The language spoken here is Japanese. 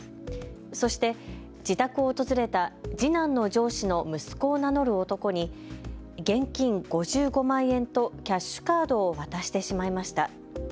そして自宅を訪れた次男の上司の息子を名乗る男に現金５５万円とキャッシュカードを渡してしまいました。